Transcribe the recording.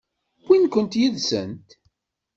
Wwint-kent yid-sent?